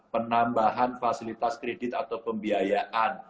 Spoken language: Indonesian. penambahan fasilitas kredit atau pembiayaan